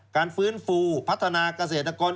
การฟื้นฟูพัฒนาเกษตรกร